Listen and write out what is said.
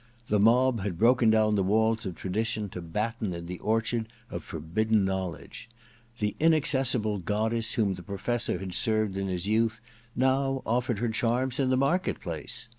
The mob had broken down the walls of tradition to batten in the orchard of forbidden knowledge. The inaccessible goddess whom the Professor had served in his youth now offered her charms in the market place.